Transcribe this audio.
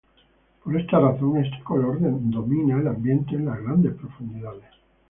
Por esta razón este color domina el ambiente en las grandes profundidades.